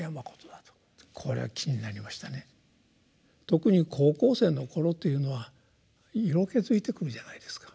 特に高校生の頃というのは色気づいてくるじゃないですか。